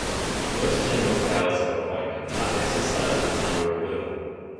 Most general powers of appointment are exercisable under a will.